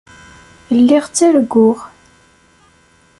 Lliɣ ttarguɣ.